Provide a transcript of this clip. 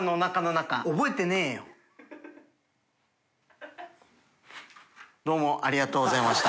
覆困筺どうもありがとうございました。